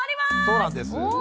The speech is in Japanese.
そうなんです。